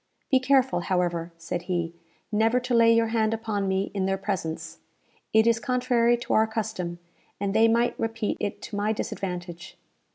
"Be careful, however," said he, "never to lay your hand upon me in their presence. It is contrary to our custom, and they might repeat it to my disadvantage."